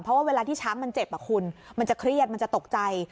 เพราะว่าเวลาที่ช้างมันเจ็บคุณมันจะเครียดมันจะตกใจ